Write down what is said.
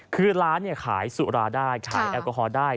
คือร้านขายสุราได้ขายแอลกอฮอลได้